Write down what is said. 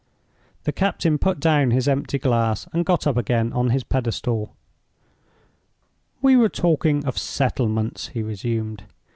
The captain put down his empty glass and got up again on his pedestal. "We were talking of settlements," he resumed.